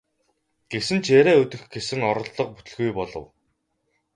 Гэсэн ч яриа өдөх гэсэн оролдлого бүтэлгүй болов.